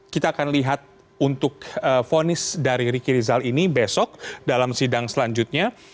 kita akan lihat untuk vonis dari riki rizal ini besok dalam sidang selanjutnya